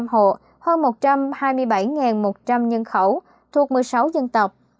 một trăm linh hộ hơn một trăm hai mươi bảy một trăm linh nhân khẩu thuộc một mươi sáu dân tộc